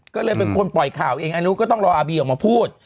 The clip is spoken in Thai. ก็เลยเป็นคนปล่อยข่าวเองอายุก็ต้องรออาบีออกมาพูด